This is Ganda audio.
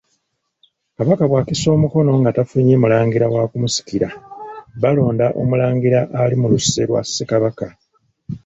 Kabaka bw’akisa omukono nga tafunye mulangira wa kumusikira balonda Omulangira ali mu luse lwa Ssekabaka.